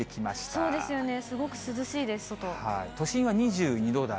そうですよね、すごく涼しい都心は２２度台。